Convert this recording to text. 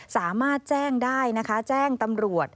สามารถแจ้งได้นะคะแจ้งตำรวจ